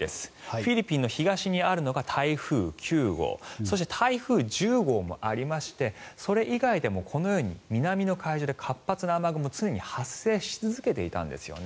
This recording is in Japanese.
フィリピンの東にあるのが台風９号そして台風１０号もありましてそれ以外でもこのように南の海上で活発な雨雲が常に発生し続けていたんですね。